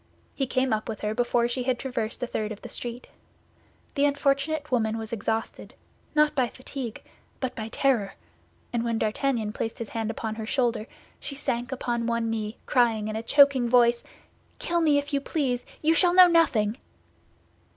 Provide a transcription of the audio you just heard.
He came up with her before she had traversed a third of the street. The unfortunate woman was exhausted, not by fatigue, but by terror, and when D'Artagnan placed his hand upon her shoulder, she sank upon one knee, crying in a choking voice, "Kill me, if you please, you shall know nothing!"